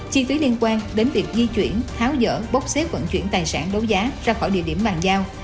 chi phí liên quan đến việc di chuyển tháo dỡ bốc xếp vận chuyển tài sản đấu giá ra khỏi địa điểm bàn giao